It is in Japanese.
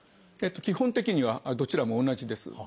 基本的にはどちらも同じです。